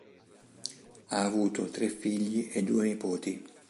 Ha avuto tre figli e due nipoti.